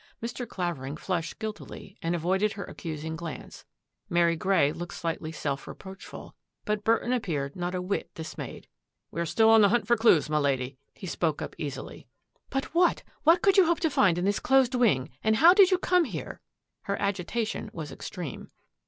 Mr. Clavering flushed guiltily and avoided her accusing glance, Mary Grey looked slightly self reproachful, but Burton appeared not a whit dis mayed. " We're still on the hunt for clues, my Lady," he spoke up easily. " But what — what could you hope to find in this closed wing, and how did you come here?*' Her agitation was extreme.